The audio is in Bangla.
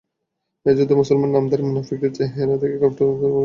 এ যুদ্ধে মুসলমান নামধারী মুনাফিকদের চেহারা থেকে কপটতার মুখোশ খুলে পড়ে।